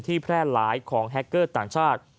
แพร่หลายของแฮคเกอร์ต่างชาติ